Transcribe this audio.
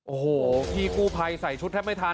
โอ้โหที่กู้ไพใส่ชุดแทบไม่ทันอ่ะ